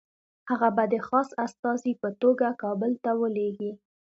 هغه به د خاص استازي په توګه کابل ته ولېږي.